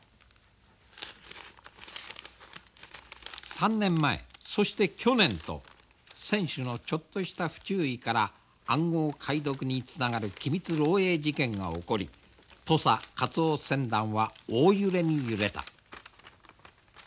３年前そして去年と船主のちょっとした不注意から暗号解読につながる機密漏えい事件が起こり土佐カツオ船団は大揺れに揺れた。